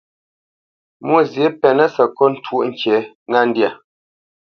Mwôzyě pɛnǝ́ sǝkôt twóʼ ŋkǐ ŋá ndyâ.